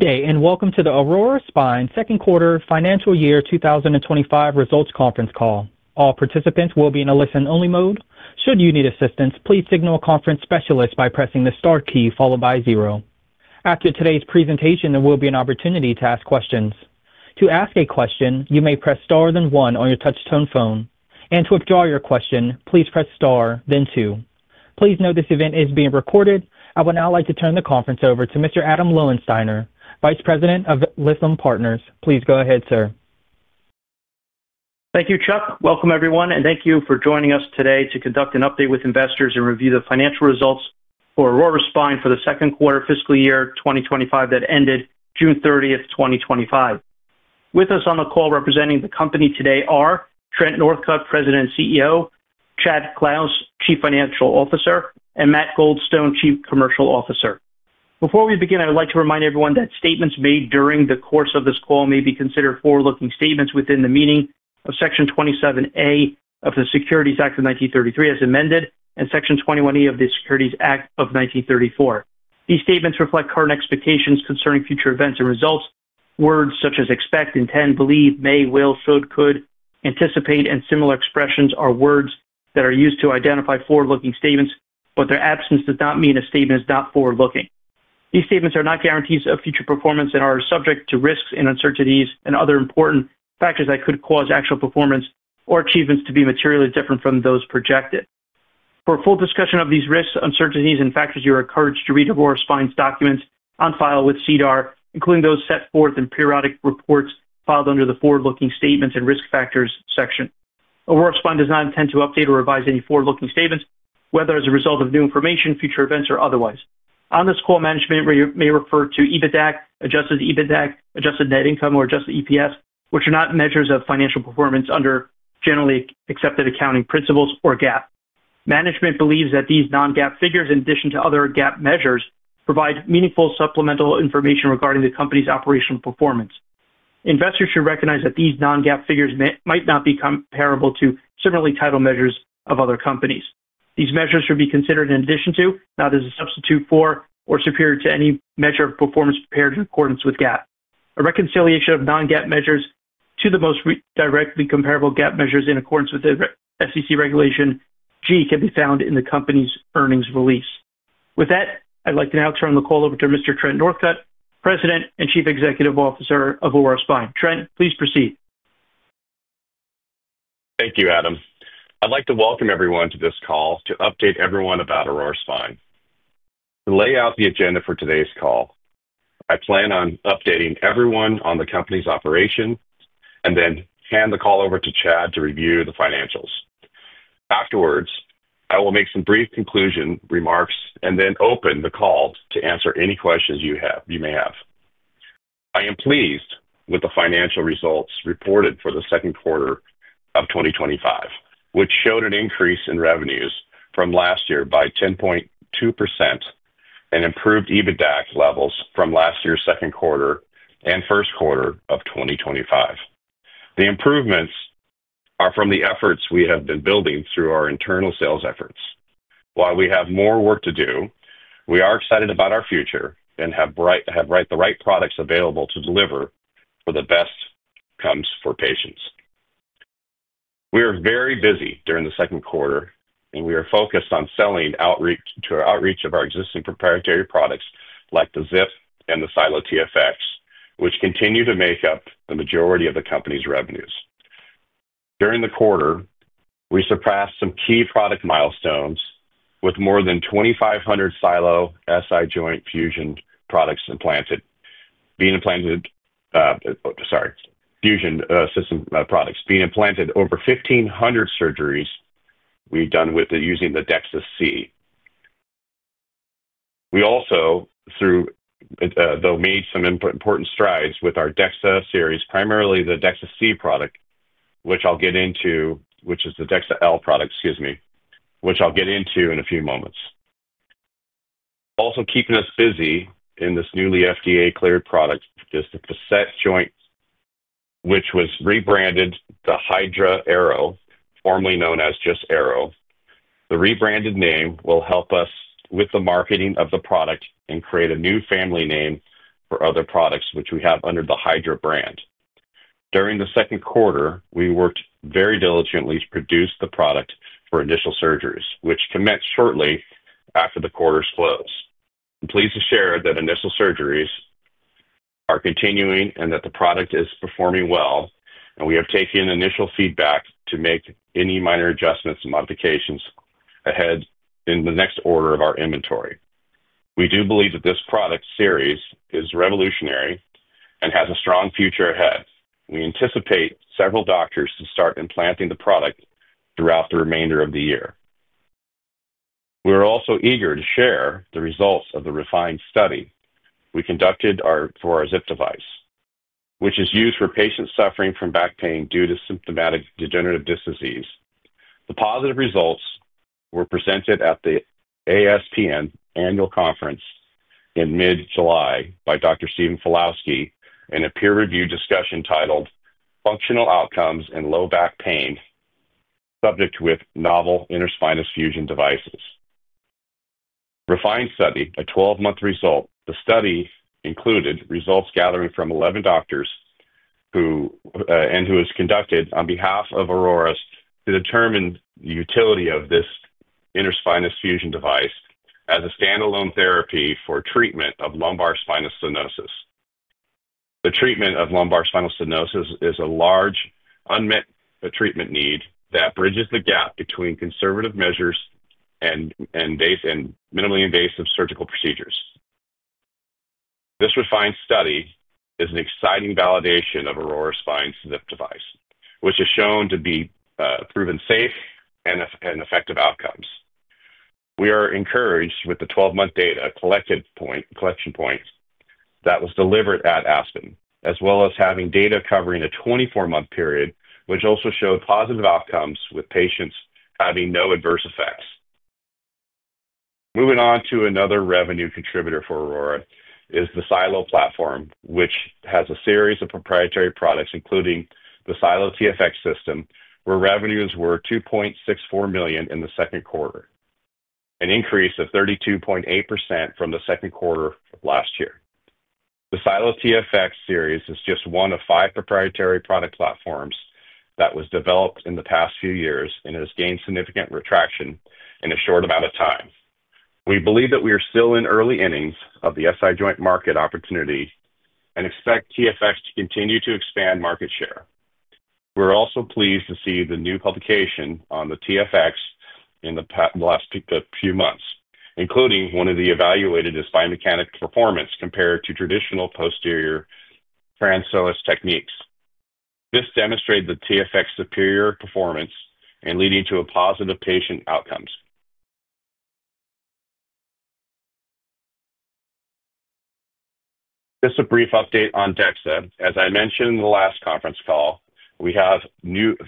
Today, and welcome to the Aurora Spine Second Quarter Financial Year 2025 Results Conference Call. All participants will be in a listen-only mode. Should you need assistance, please signal a conference specialist by pressing the star key followed by zero. After today's presentation, there will be an opportunity to ask questions. To ask a question, you may press star, then one on your touch-tone phone, and to withdraw your question, please press star, then two. Please note this event is being recorded. I would now like to turn the conference over to Mr. Adam Lowensteiner, Vice President of Lytham Partners. Please go ahead, sir. Thank you, Chad. Welcome, everyone, and thank you for joining us today to conduct an update with investors and review the financial results for Aurora Spine for the Second Quarter Fiscal Year 2025 that ended June 30th, 2025. With us on the call representing the company today are Trent Northcutt, President and CEO, Chad Clouse, Chief Financial Officer, and Matt Goldstone, Chief Commercial Officer. Before we begin, I would like to remind everyone that statements made during the course of this call may be considered forward-looking statements within the meaning of Section 27(a) of the Securities Act of 1933 as amended, and Section 21(e) of the Securities Act of 1934. These statements reflect current expectations concerning future events and results. Words such as expect, intend, believe, may, will, should, could, anticipate, and similar expressions are words that are used to identify forward-looking statements, but their absence does not mean a statement is not forward-looking. These statements are not guarantees of future performance and are subject to risks and uncertainties and other important factors that could cause actual performance or achievements to be materially different from those projected. For a full discussion of these risks, uncertainties, and factors, you are encouraged to read Aurora Spine's documents on file with CDAR, including those set forth in periodic reports filed under the Forward Looking Statements and Risk Factors section. Aurora Spine does not intend to update or revise any forward-looking statements, whether as a result of new information, future events, or otherwise. On this call, management may refer to EBITDA, adjusted EBITDA, adjusted net income, or adjusted EPS, which are not measures of financial performance under generally accepted accounting principles or GAAP. Management believes that these non-GAAP figures, in addition to other GAAP measures, provide meaningful supplemental information regarding the company's operational performance. Investors should recognize that these non-GAAP figures might not be comparable to similarly titled measures of other companies. These measures should be considered in addition to, not as a substitute for, or superior to any measure of performance prepared in accordance with GAAP. A reconciliation of non-GAAP measures to the most directly comparable GAAP measures in accordance with the SEC regulation G can be found in the company's earnings release. With that, I'd like to now turn the call over to Mr. Trent Northcutt, President and Chief Executive Officer of Aurora Spine. Trent, please proceed. Thank you, Adam. I'd like to welcome everyone to this call to update everyone about Aurora Spine. To lay out the agenda for today's call, I plan on updating everyone on the company's operations and then hand the call over to Chad to review the financials. Afterwards, I will make some brief conclusion remarks and then open the call to answer any questions you may have. I am pleased with the financial results reported for the second quarter of 2025, which showed an increase in revenues from last year by 10.2% and improved EBITDA levels from last year's second quarter and first quarter of 2025. The improvements are from the efforts we have been building through our internal sales efforts. While we have more work to do, we are excited about our future and have the right products available to deliver for the best outcomes for patients. We were very busy during the second quarter, and we are focused on selling to our outreach of our existing proprietary products like the ZIP and the SiLO-TFX, which continue to make up the majority of the company's revenues. During the quarter, we surpassed some key product milestones with more than 2,500 SiLO SI joint fusion system products implanted over 1,500 surgeries we've done with using the DEXA-C. We also made some important strides with our DEXA series, primarily the DEXA-C product, which I'll get into, which is the DEXA-L product, excuse me, which I'll get into in a few moments. Also, keeping us busy in this newly FDA-cleared product is the facet joint system, which was rebranded the Hydra Arrow, formerly known as just Arrow. The rebranded name will help us with the marketing of the product and create a new family name for other products, which we have under the Hydra brand. During the second quarter, we worked very diligently to produce the product for initial surgeries, which commenced shortly after the quarter's close. I'm pleased to share that initial surgeries are continuing and that the product is performing well, and we have taken initial feedback to make any minor adjustments and modifications ahead in the next order of our inventory. We do believe that this product series is revolutionary and has a strong future ahead. We anticipate several doctors to start implanting the product throughout the remainder of the year. We are also eager to share the results of the refined study we conducted for our ZIP device, which is used for patients suffering from back pain due to symptomatic degenerative disc disease. The positive results were presented at the ASPN annual conference in mid-July by Dr. Stephen Followski in a peer-reviewed discussion titled Functional Outcomes in Low Back Pain Subject with Novel Interspinous Fusion Devices. Refined study, a 12-month result. The study included results gathering from 11 doctors and who was conducted on behalf of Aurora Spine to determine the utility of this interspinous fusion device as a standalone therapy for treatment of lumbar spinal stenosis. The treatment of lumbar spinal stenosis is a large, unmet treatment need that bridges the gap between conservative measures and minimally invasive surgical procedures. This refined study is an exciting validation of Aurora Spine's ZIP device, which is shown to be proven safe and effective outcomes. We are encouraged with the 12-month data collection point that was delivered at ASPN, as well as having data covering a 24-month period, which also showed positive outcomes with patients having no adverse effects. Moving on to another revenue contributor for Aurora Spine is the SiLO platform, which has a series of proprietary products, including the SiLO-TFX system, where revenues were $2.64 million in the second quarter, an increase of 32.8% from the second quarter of last year. The SiLO-TFX series is just one of five proprietary product platforms that was developed in the past few years and has gained significant traction in a short amount of time. We believe that we are still in early innings of the SI joint market opportunity and expect TFX to continue to expand market share. We're also pleased to see the new publication on the TFX in the last few months, including one of the evaluated is biomechanic performance compared to traditional posterior transsoas techniques. This demonstrated the TFX superior performance and leading to positive patient outcomes. Just a brief update on DEXA. As I mentioned in the last conference call, we have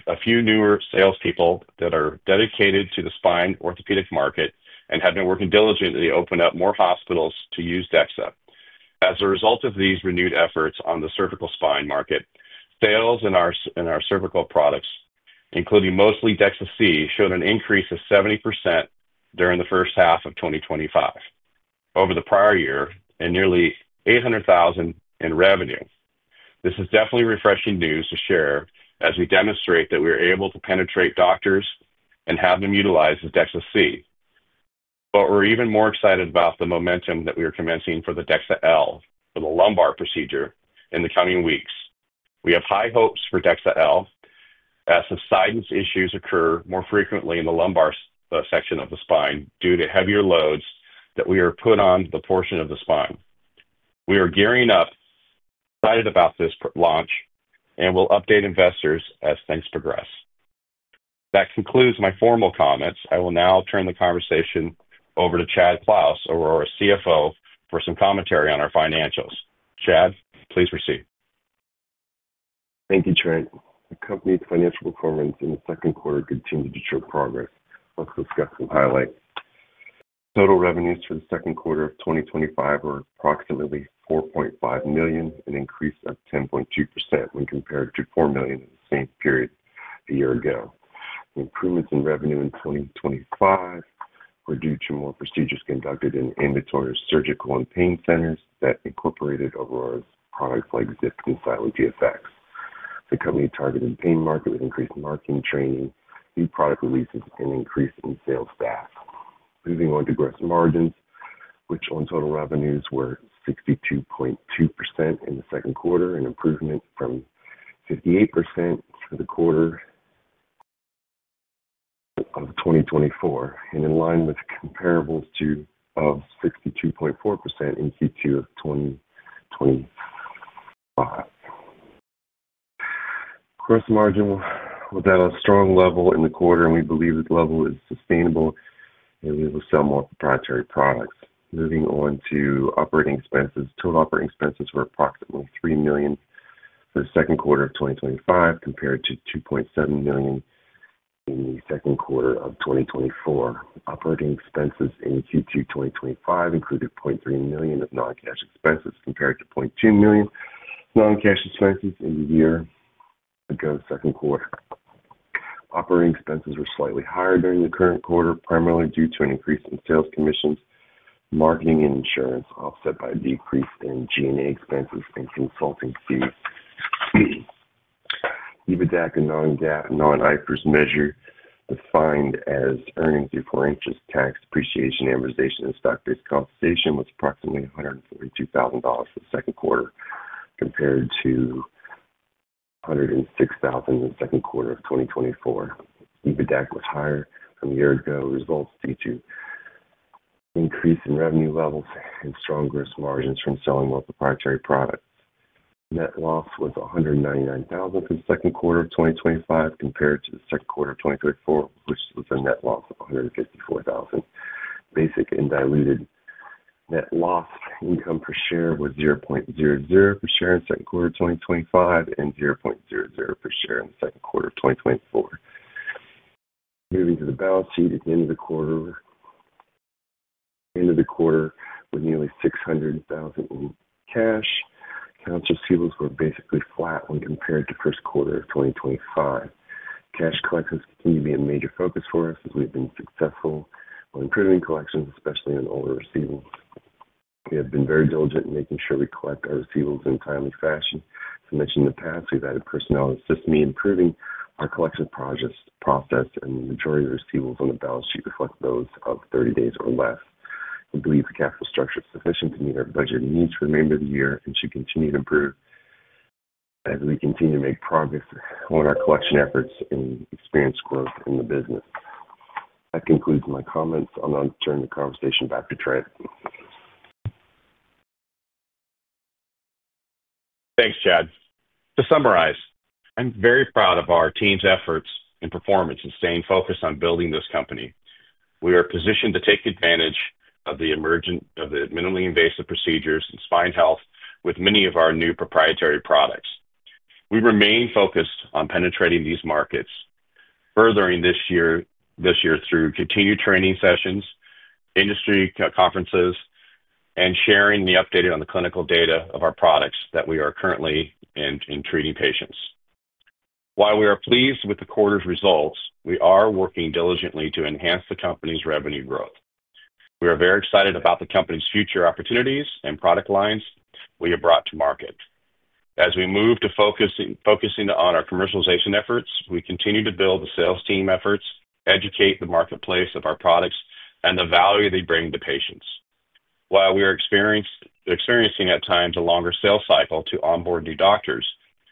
a few newer salespeople that are dedicated to the spine orthopedic market and have been working diligently to open up more hospitals to use DEXA. As a result of these renewed efforts on the cervical spine market, sales in our cervical products, including mostly DEXA-C, showed an increase of 70% during the first half of 2025 over the prior year and nearly $800,000 in revenue. This is definitely refreshing news to share as we demonstrate that we are able to penetrate doctors and have them utilize the DEXA-C. We're even more excited about the momentum that we are commencing for the DEXA-L for the lumbar procedure in the coming weeks. We have high hopes for DEXA-L as subsidence issues occur more frequently in the lumbar section of the spine due to heavier loads that are put on the portion of the spine. We are gearing up, excited about this launch, and we'll update investors as things progress. That concludes my formal comments. I will now turn the conversation over to Chad Clouse, Aurora Spine's CFO, for some commentary on our financials. Chad, please proceed. Thank you, Trent. The company's financial performance in the second quarter continues to show progress. Let's discuss some highlights. Total revenues for the second quarter of 2025 were approximately $4.5 million, an increase of 10.2% when compared to $4 million in the same period a year ago. Improvements in revenue in 2025 were due to more procedures conducted in ambulatory surgical and pain centers that incorporated Aurora Spine's product like ZIP and SiLO-TFX. The company targeted the pain market with increased marketing training, new product releases, and an increase in sales staff. Moving on to gross margins, which on total revenues were 62.2% in the second quarter, an improvement from 58% for the quarter of 2024, and in line with comparables to 62.4% in Q2 of 2025. Gross margin was at a strong level in the quarter, and we believe that the level is sustainable and we will sell more proprietary products. Moving on to operating expenses, total operating expenses were approximately $3 million for the second quarter of 2025 compared to $2.7 million in the second quarter of 2024. Operating expenses in Q2 2025 included $0.3 million of non-cash expenses compared to $0.2 million non-cash expenses in the year ago second quarter. Operating expenses were slightly higher during the current quarter, primarily due to an increase in sales commissions, marketing, and insurance, offset by a decrease in G&A expenses and consultancy fees. EBITDA, a non-IFRS measure defined as earnings before interest, tax, depreciation, amortization, and stock-based compensation, was approximately $142,000 for the second quarter compared to $106,000 in the second quarter of 2024. EBITDA was higher from a year ago, results due to increase in revenue levels and strong gross margins from selling more proprietary products. Net loss was $199,000 for the second quarter of 2025 compared to the second quarter of 2024, which was a net loss of $154,000. Basic and diluted net loss income per share was $0.00 per share in the second quarter of 2025 and $0.00 per share in the second quarter of 2024. Moving to the balance sheet, at the end of the quarter, we're nearly $600,000 in cash. Accounts receivables were basically flat when compared to the first quarter of 2025. Cash collections continue to be a major focus for us as we've been successful on improving collections, especially on older receivables. We have been very diligent in making sure we collect our receivables in a timely fashion. As mentioned in the past, we've added personnel and systems improving our collection process, and the majority of receivables on the balance sheet reflect those of 30 days or less. We believe the capital structure is sufficient to meet our budget needs for the remainder of the year and should continue to improve as we continue to make progress on our collection efforts and experience growth in the business. That concludes my comments. I'll now turn the conversation back to Trent. Thanks, Chad. To summarize, I'm very proud of our team's efforts and performance in staying focused on building this company. We are positioned to take advantage of the emerging minimally invasive procedures and spine health with many of our new proprietary products. We remain focused on penetrating these markets furthering this year through continued training sessions, industry conferences, and sharing the updated clinical data of our products that we are currently in treating patients. While we are pleased with the quarter's results, we are working diligently to enhance the company's revenue growth. We are very excited about the company's future opportunities and product lines we have brought to market. As we move to focusing on our commercialization efforts, we continue to build the sales team efforts, educate the marketplace of our products, and the value they bring to patients. While we are experiencing at times a longer sales cycle to onboard new doctors,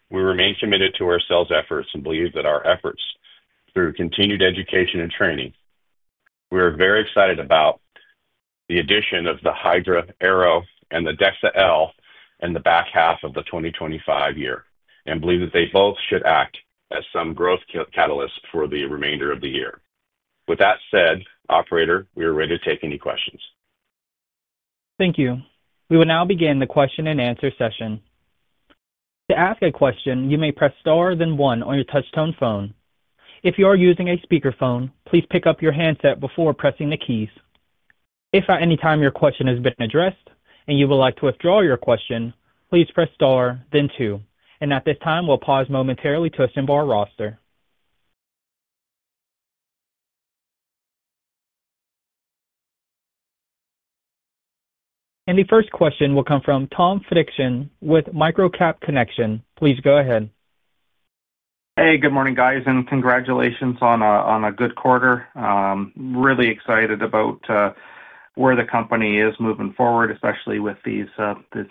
we remain committed to our sales efforts and believe that our efforts through continued education and training. We are very excited about the addition of the Hydra Arrow and the DEXA-L in the back half of the 2025 year and believe that they both should act as some growth catalysts for the remainder of the year. With that said, operator, we are ready to take any questions. Thank you. We will now begin the question and answer session. To ask a question, you may press star, then one on your touch-tone phone. If you are using a speakerphone, please pick up your handset before pressing the keys. If at any time your question has been addressed and you would like to withdraw your question, please press star, then two. At this time, we'll pause momentarily to assemble our roster. The first question will come from Tom Fedichin with Microcap Connection. Please go ahead. Hey, good morning, guys, and congratulations on a good quarter. I'm really excited about where the company is moving forward, especially with these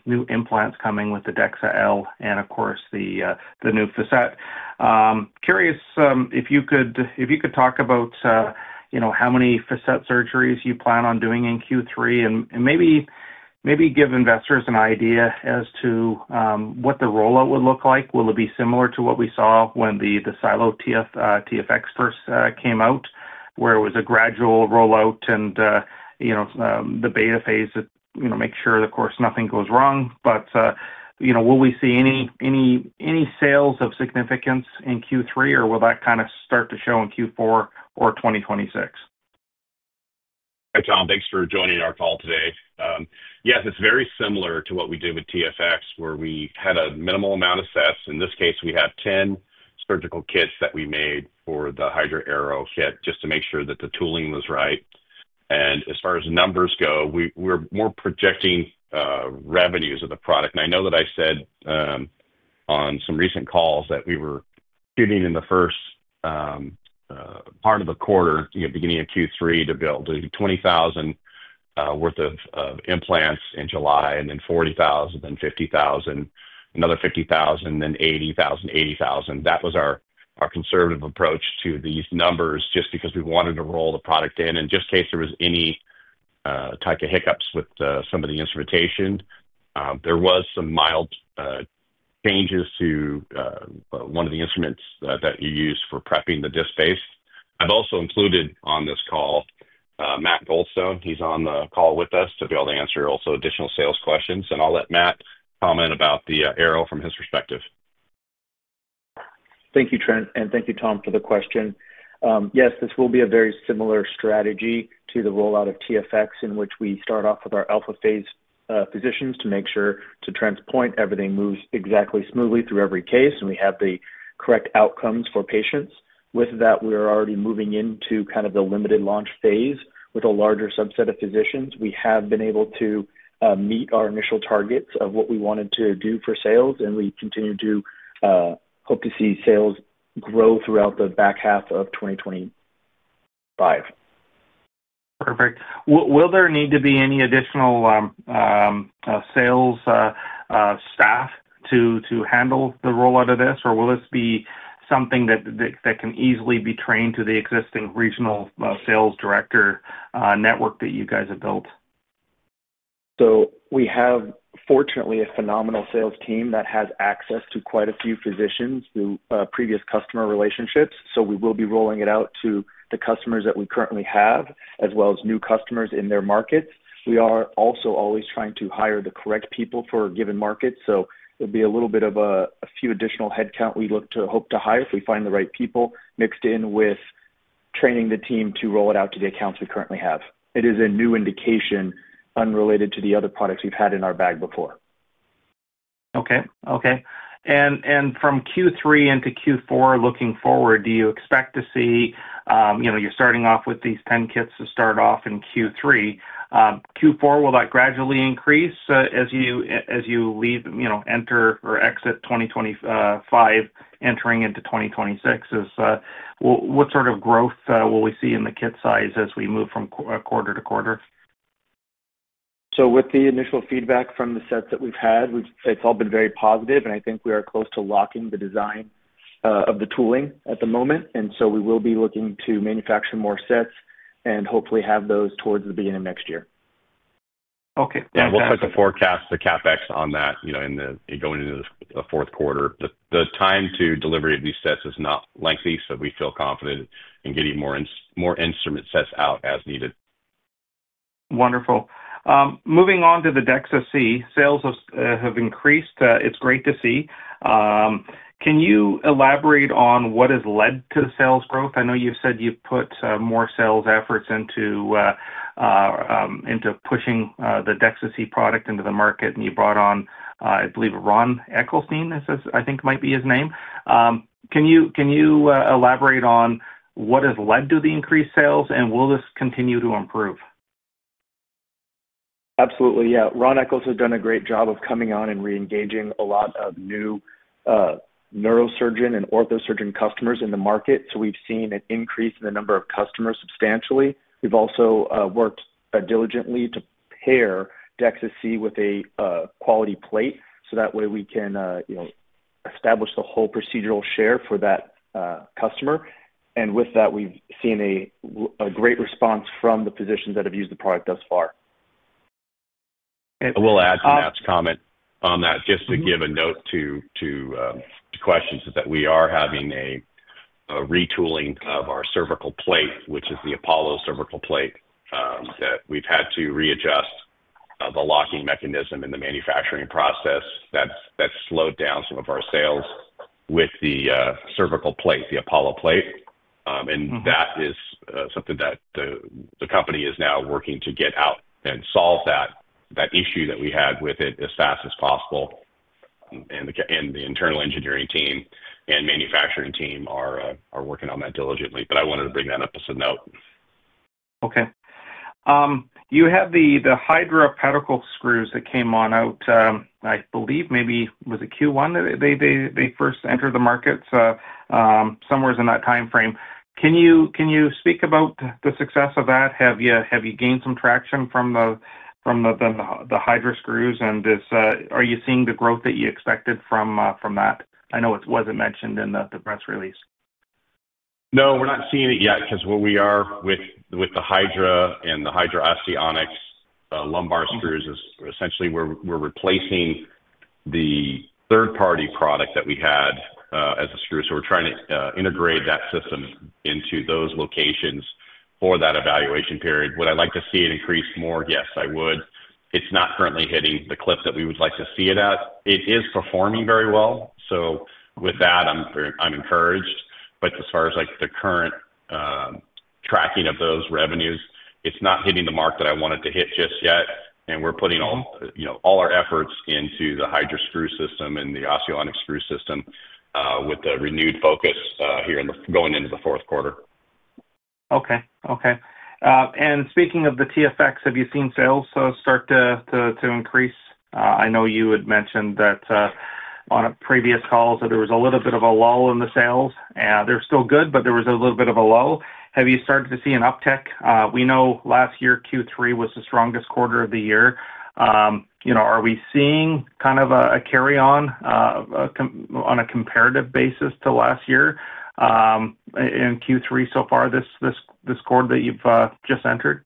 new implants coming with the DEXA-L and, of course, the new facet. Curious if you could talk about how many facet surgeries you plan on doing in Q3 and maybe give investors an idea as to what the rollout would look like. Will it be similar to what we saw when the SiLO-TFX first came out, where it was a gradual rollout and the beta phase to make sure, of course, nothing goes wrong? Will we see any sales of significance in Q3, or will that kind of start to show in Q4 or 2026? Hi Tom, thanks for joining our call today. Yes, it's very similar to what we do with TFX, where we had a minimal amount of sets. In this case, we had 10 surgical kits that we made for the Hydra Arrow kit just to make sure that the tooling was right. As far as numbers go, we're more projecting revenues of the product. I know that I said on some recent calls that we were shooting in the first part of the quarter, beginning of Q3, to build $20,000 worth of implants in July and then $40,000, then $50,000, another $50,000, then $80,000, $80,000. That was our conservative approach to these numbers just because we wanted to roll the product in. In case there was any type of hiccups with some of the instrumentation, there were some mild changes to one of the instruments that you use for prepping the disc space. I've also included on this call Matt Goldstone. He's on the call with us to be able to answer also additional sales questions. I'll let Matt comment about the Arrow from his perspective. Thank you, Trent, and thank you, Tom, for the question. Yes, this will be a very similar strategy to the rollout of SiLO-TFX, in which we start off with our alpha phase physicians to make sure everything moves exactly smoothly through every case and we have the correct outcomes for patients. With that, we're already moving into kind of the limited launch phase with a larger subset of physicians. We have been able to meet our initial targets of what we wanted to do for sales, and we continue to hope to see sales grow throughout the back half of 2025. Perfect. Will there need to be any additional sales staff to handle the rollout of this, or will this be something that can easily be trained to the existing Regional Sales Director network that you guys have built? We have, fortunately, a phenomenal sales team that has access to quite a few physicians through previous customer relationships. We will be rolling it out to the customers that we currently have, as well as new customers in their markets. We are also always trying to hire the correct people for a given market. It will be a little bit of a few additional headcount we look to hope to hire if we find the right people, mixed in with training the team to roll it out to the accounts we currently have. It is a new indication unrelated to the other products we've had in our bag before. Okay. From Q3 into Q4, looking forward, do you expect to see, you know, you're starting off with these 10 kits to start off in Q3. Q4, will that gradually increase as you leave, you know, enter or exit 2025, entering into 2026? What sort of growth will we see in the kit size as we move from quarter to quarter? With the initial feedback from the sets that we've had, it's all been very positive. I think we are close to locking the design of the tooling at the moment, so we will be looking to manufacture more sets and hopefully have those towards the beginning of next year. Okay. We'll put the forecast, the CapEx on that, in the going into the fourth quarter. The time to delivery of these sets is not lengthy, so we feel confident in getting more instrument sets out as needed. Wonderful. Moving on to the DEXA-C, sales have increased. It's great to see. Can you elaborate on what has led to the sales growth? I know you've said you've put more sales efforts into pushing the DEXA-C product into the market, and you brought on, I believe, Ron Eckelstein, I think might be his name. Can you elaborate on what has led to the increased sales, and will this continue to improve? Absolutely. Yeah. Ron Eckelstein has done a great job of coming on and re-engaging a lot of new neurosurgeon and orthosurgeon customers in the market. We've seen an increase in the number of customers substantially. We've also worked diligently to pair DEXA-C with a quality plate, so that way we can establish the whole procedural share for that customer. With that, we've seen a great response from the physicians that have used the product thus far. I will add to Matt's comment on that, just to give a note to the questions that we are having a retooling of our cervical plate, which is the Apollo cervical plate. We've had to readjust the locking mechanism in the manufacturing process, and that's slowed down some of our sales with the cervical plate, the Apollo plate. That is something that the company is now working to get out and solve that issue that we had with it as fast as possible. The internal engineering team and manufacturing team are working on that diligently. I wanted to bring that up as a note. Okay. You have the Hydra Arrow that came on out, I believe maybe was it Q1 that they first entered the market? Somewhere in that timeframe. Can you speak about the success of that? Have you gained some traction from the Hydra Arrow, and are you seeing the growth that you expected from that? I know it wasn't mentioned in the press release. No, we're not seeing it yet because what we are with the Hydra and the Hydra Osteo Onyx, the Lumbar Screws, is essentially we're replacing the third-party product that we had as a screw. We're trying to integrate that system into those locations for that evaluation period. Would I like to see it increase more? Yes, I would. It's not currently hitting the clip that we would like to see it at. It is performing very well. I'm encouraged. As far as the current tracking of those revenues, it's not hitting the mark that I want it to hit just yet. We're putting all our efforts into the Hydra screw system and the Osteo Onyx screw system with the renewed focus here going into the fourth quarter. Okay. Speaking of the SiLO-TFX, have you seen sales start to increase? I know you had mentioned that on a previous call that there was a little bit of a lull in the sales. They're still good, but there was a little bit of a lull. Have you started to see an uptick? We know last year Q3 was the strongest quarter of the year. Are we seeing kind of a carry-on on a comparative basis to last year in Q3 so far, this quarter that you've just entered?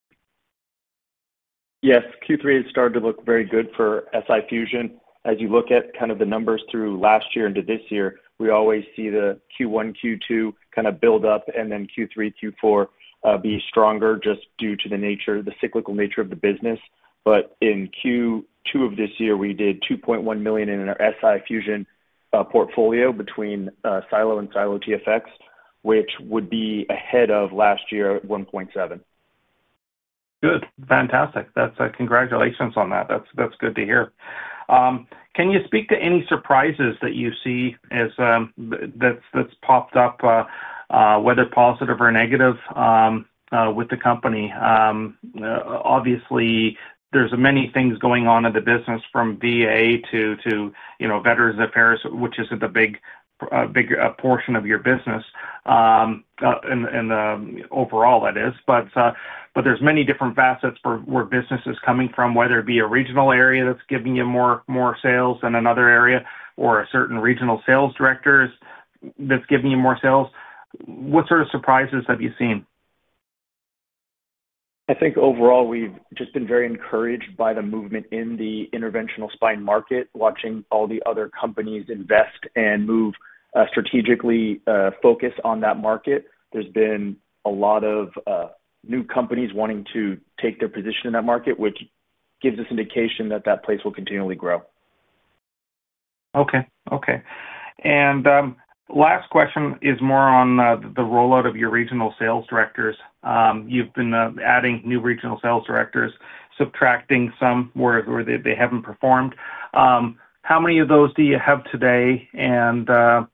Yes, Q3 has started to look very good for SI fusion. As you look at kind of the numbers through last year into this year, we always see the Q1, Q2 kind of build up, and then Q3, Q4 be stronger just due to the cyclical nature of the business. In Q2 of this year, we did $2.1 million in our SI fusion portfolio between SiLO and SiLO-TFX, which would be ahead of last year at $1.7 million. Good. Fantastic. Congratulations on that. That's good to hear. Can you speak to any surprises that you see that's popped up, whether positive or negative, with the company? Obviously, there's many things going on in the business from VA to Veterans Affairs, which is a big portion of your business, and overall, that is. There are many different facets where business is coming from, whether it be a regional area that's giving you more sales than another area or a certain regional sales director that's giving you more sales. What sort of surprises have you seen? I think overall, we've just been very encouraged by the movement in the interventional spine market, watching all the other companies invest and move strategically focused on that market. There's been a lot of new companies wanting to take their position in that market, which gives us an indication that that place will continually grow. Okay. Last question is more on the rollout of your regional sales directors. You've been adding new regional sales directors, subtracting some where they haven't performed. How many of those do you have today, and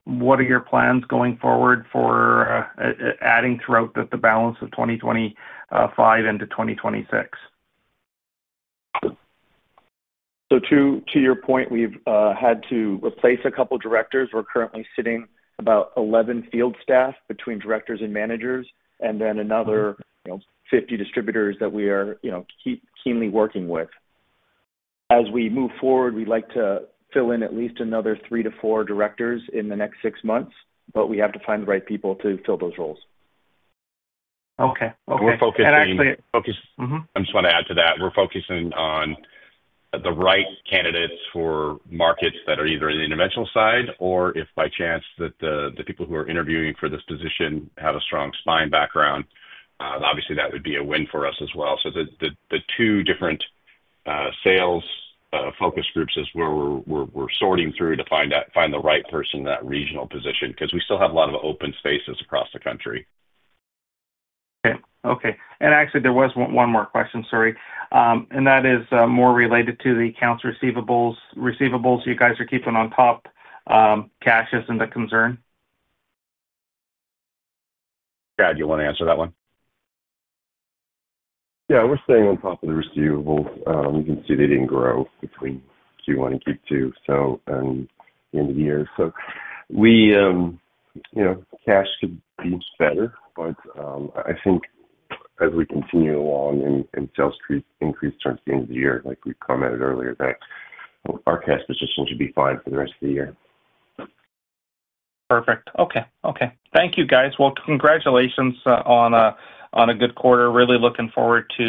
what are your plans going forward for adding throughout the balance of 2025 into 2026? To your point, we've had to replace a couple of Directors. We're currently sitting at about 11 field staff between Directors and Managers and then another 50 distributors that we are keenly working with. As we move forward, we'd like to fill in at least another three to four Directors in the next six months, but we have to find the right people to fill those roles. Okay. Okay. I just want to add to that. We're focusing on the right candidates for markets that are either in the interventional side or if by chance the people who are interviewing for this position have a strong spine background. Obviously, that would be a win for us as well. The two different sales focus groups are where we're sorting through to find the right person in that regional position because we still have a lot of open spaces across the country. Okay. Actually, there was one more question, sorry. That is more related to the accounts receivable. Receivables, you guys are keeping on top. Cash isn't a concern. Chad, you want to answer that one? Yeah, we're staying on top of the accounts receivable collections. We can see they didn't grow between Q1 and Q2, so the end of the year. Cash could be better, but I think as we continue along and sales increase towards the end of the year, like we've commented earlier, that our cash position should be fine for the rest of the year. Perfect. Okay. Thank you, guys. Congratulations on a good quarter. Really looking forward to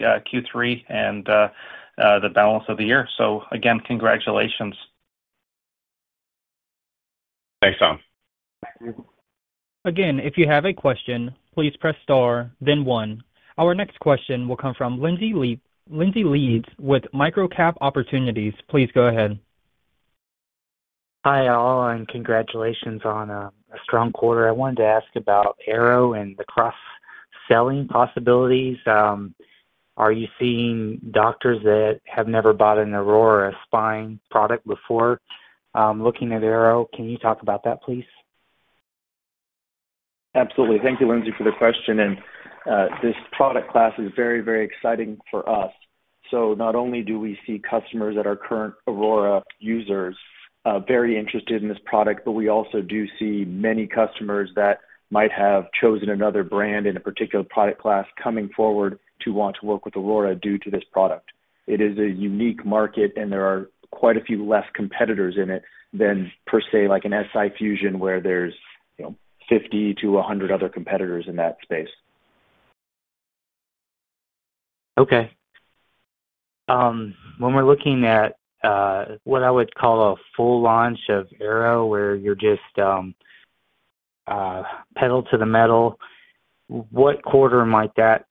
Q3 and the balance of the year. Again, congratulations. Thanks, Tom. Again, if you have a question, please press star, then one. Our next question will come from Lindsay Leeds with Microcap Opportunities. Please go ahead. Hi all, and congratulations on a strong quarter. I wanted to ask about Hydra Arrow and the cross selling possibilities. Are you seeing doctors that have never bought an Aurora Spine product before looking at Hydra Arrow? Can you talk about that, please? Absolutely. Thank you, Lindsay, for the question. This product class is very, very exciting for us. Not only do we see customers that are current Aurora Spine users very interested in this product, but we also see many customers that might have chosen another brand in a particular product class coming forward to want to work with Aurora Spine due to this product. It is a unique market, and there are quite a few less competitors in it than, per se, like an SI Fusion where there's 50-100 other competitors in that space. Okay. When we're looking at what I would call a full launch of Hydra Arrow where you're just pedal to the metal, what quarter might that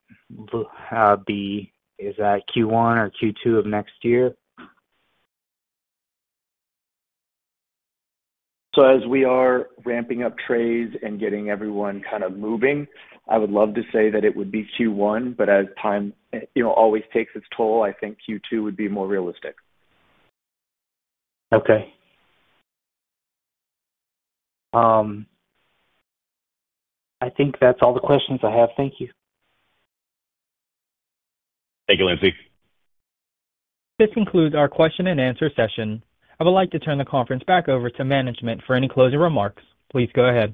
be? Is that Q1 or Q2 of next year? As we are ramping up trades and getting everyone kind of moving, I would love to say that it would be Q1, but as time always takes its toll, I think Q2 would be more realistic. Okay. I think that's all the questions I have. Thank you. Thank you, Lindsay. This concludes our Q&A session. I would like to turn the conference back over to management for any closing remarks. Please go ahead.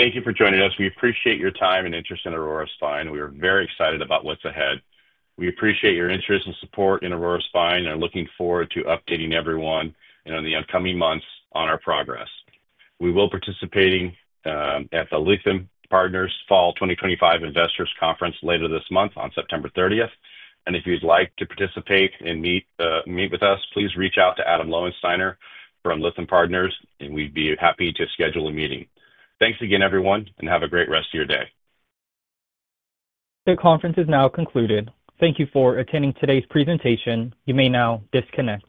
Thank you for joining us. We appreciate your time and interest in Aurora Spine. We are very excited about what's ahead. We appreciate your interest and support in Aurora Spine and are looking forward to updating everyone in the upcoming months on our progress. We will be participating at the Lytham Partners Fall 2025 Investors Conference later this month on September 30th. If you'd like to participate and meet with us, please reach out to Adam Lowensteiner from Lytham Partners, and we'd be happy to schedule a meeting. Thanks again, everyone, and have a great rest of your day. The conference is now concluded. Thank you for attending today's presentation. You may now disconnect.